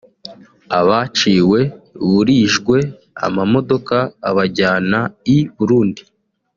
Abaciwe burijwe amamodoka abajyana i Burundi